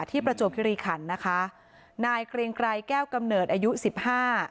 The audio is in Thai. ประจวบคิริขันนะคะนายเกรงไกรแก้วกำเนิดอายุสิบห้า